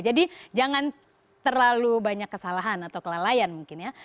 jadi jangan terlalu banyak kesalahan atau kelalaian mungkin ya